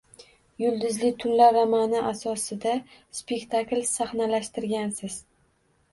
Yulduzli tunlar romani asosida spektakl sahnalashtirgansiz